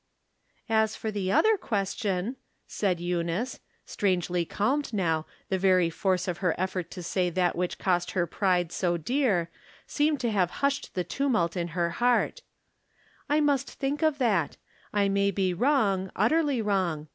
"As for the other question," said Eunice, strangely calmed now, the very force of her ef From Different Standpoints. 339 fort to say that which cost her pride so dear seemed to have hushed the tumult in her heart, " I must think of that ; I may be wrong, utterly wrong.